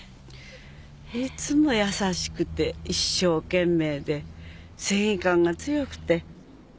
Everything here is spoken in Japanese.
いつも優しくて一生懸命で正義感が強くて。